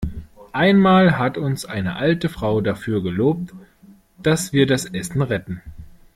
Einmal hat uns eine alte Frau dafür gelobt, dass wir das Essen retten.